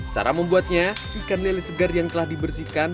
cara membuatnya ikan lele segar yang telah dibersihkan